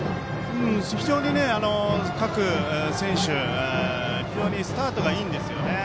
非常に各選手非常にスタートがいいんですよね。